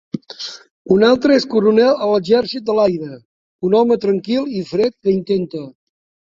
Un altre és coronel a l'exèrcit de l'aire, un home tranquil i fred que intenta.